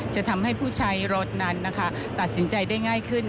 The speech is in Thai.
จะทำให้ผู้ใช้รถนั้นนะคะตัดสินใจได้ง่ายขึ้น